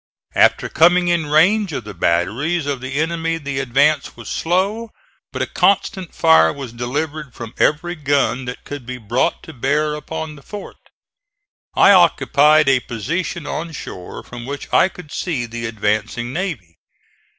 After coming in range of the batteries of the enemy the advance was slow, but a constant fire was delivered from every gun that could be brought to bear upon the fort. I occupied a position on shore from which I could see the advancing navy.